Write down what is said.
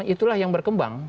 itulah yang berkembang